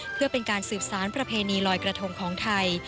เพื่อเป็นการสืบสารประเพณีลอยกระทงของไทย